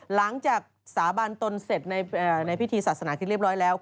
สาบานตนเสร็จในพิธีศาสนาที่เรียบร้อยแล้ว